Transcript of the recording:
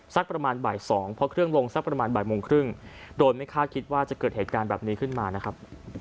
สักประมาณบ่ายสองเพราะเครื่องลงสักประมาณบ่ายโมงครึ่งโดยไม่คาดคิดว่าจะเกิดเหตุการณ์แบบนี้ขึ้นมานะครับ